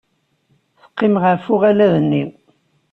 Teqqim ɣef uɣalad-nni.